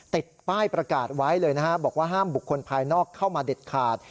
ติดป้ายประกาศไว้เลยนะฮะบอกว่าห้ามบุคคลภายนอกเข้ามาเด็ดขาด